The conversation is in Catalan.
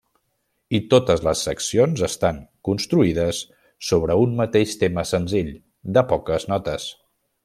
I totes les seccions estan construïdes sobre un mateix tema senzill, de poques notes.